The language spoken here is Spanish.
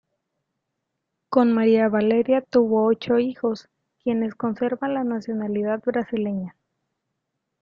Con María Valeria tuvo ocho hijos, quienes conservan la nacionalidad brasileña.